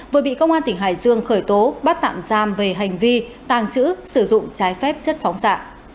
vừa bị công an tỉnh hải dương khởi tố bắt tạm giam về hành vi tàng trữ sử dụng trái phép chất phóng xạ